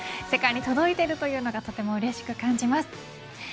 世界に届いているのがとてもうれしく感じます。